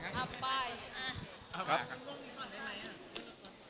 เขาจะรอพี่เหรอ